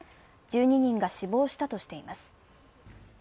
１２人が死亡したとしています。